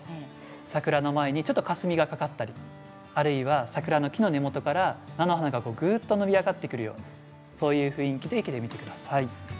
桜の前にかすみがかかりあるいは桜の木の根元から菜の花がぐっと伸び上がってくるようなそういう雰囲気で生けてみてください。